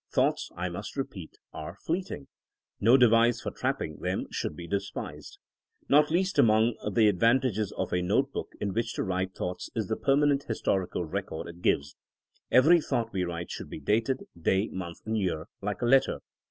Thoughts, I must repeat, are fleeting. No device for trap ping them should be despised. Not least among the advantages of a note book in which to write thoughts is the permanent historical record it gives. Every thought we write should be dated, day, month and year, like a letter.